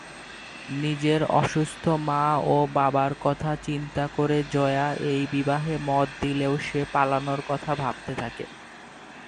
নিজের অসুস্থ মা ও বাবার কথা চিন্তা করে জয়া এই বিবাহে মত দিলেও সে পালানোর কথা ভাবতে থাকে।